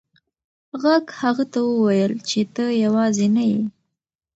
غږ هغه ته وویل چې ته یوازې نه یې.